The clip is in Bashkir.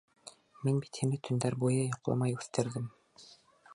Мин бит һине төндәр буйы йоҡламай үҫтерҙем...